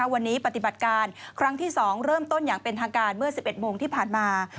วันนี้ปฏิบัติการครั้งที่๒เริ่มต้นอย่างเป็นทางการเมื่อ๑๑โมงที่ผ่านมา